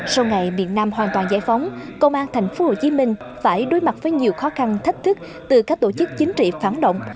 sau ngày miền nam hoàn toàn giải phóng công an tp hcm phải đối mặt với nhiều khó khăn thách thức từ các tổ chức chính trị phản động